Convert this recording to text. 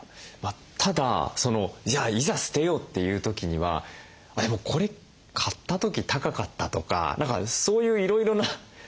ただじゃあいざ捨てようっていう時には「でもこれ買った時高かった」とか何かそういういろいろな。